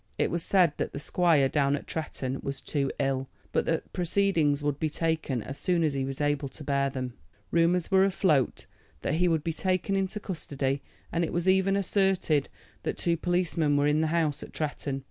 It was said that the squire down at Tretton was too ill, but that proceedings would be taken as soon as he was able to bear them. Rumors were afloat that he would be taken into custody, and it was even asserted that two policemen were in the house at Tretton.